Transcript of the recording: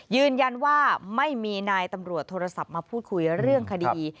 ยืนยันว่าไม่มีนายตำรวจโทรศัพท์มาพูดคุยเรื่องคดี